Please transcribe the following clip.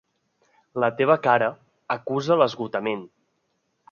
La teva cara acusa l'esgotament.